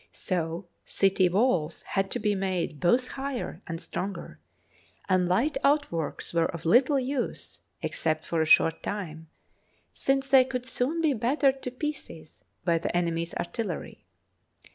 So city walls had to be made both higher and stronger, and light outworks were of little use except for a short time, since they could soon be battered to pieces by the enemy's artillery.